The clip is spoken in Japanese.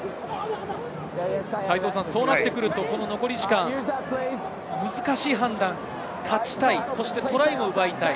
そうなってくると残り時間、難しい判断、勝ちたい、トライを奪いたい。